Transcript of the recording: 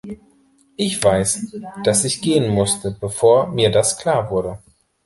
Ich weiß, dass ich gehen musste, bevor mir das klar wurde.